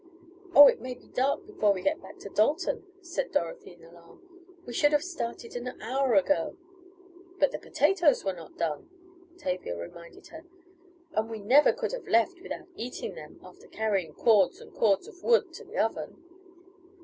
"Oh, it may be dark before we get back to Dalton," said Dorothy in alarm. "We should have started an hour ago." "But the potatoes were not done," Tavia reminded her, "and we never could have left without eating them after carrying cords and cords of wood to the oven."